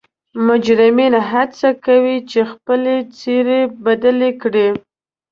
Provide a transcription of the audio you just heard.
مجرمین حڅه کوي چې خپلې څیرې بدلې کړي